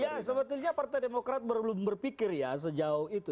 ya sebetulnya partai demokrat belum berpikir ya sejauh itu